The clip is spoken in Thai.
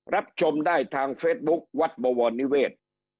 รับชมได้ทางเฟซบุ๊ควัดบวรนิเวศ